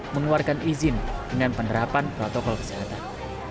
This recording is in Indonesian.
mengeluarkan izin dengan penerapan protokol kesehatan